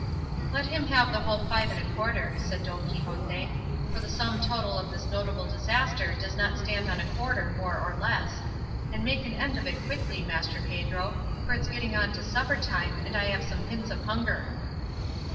"Let him have the whole five and a quarter," said Don Quixote; "for the sum total of this notable disaster does not stand on a quarter more or less; and make an end of it quickly, Master Pedro, for it's getting on to supper time, and I have some hints of hunger."